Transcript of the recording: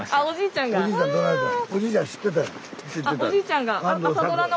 おじいちゃん